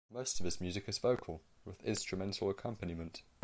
Most of his music is vocal with instrumental accompaniment.